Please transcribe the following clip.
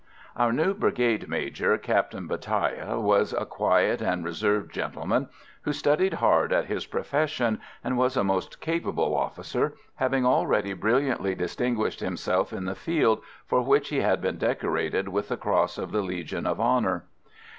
Our new Brigade Major, Captain Bataille, was a quiet and reserved gentleman, who studied hard at his profession and was a most capable officer, having already brilliantly distinguished himself in the field, for which he had been decorated with the cross of the Legion of Honour.